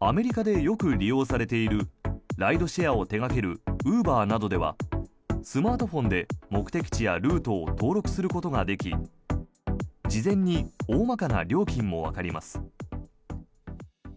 アメリカでよく利用されているライドシェアを手掛けるウーバーなどではスマートフォンで目的地やルートを登録することができ事前に大まかな料金もわかります。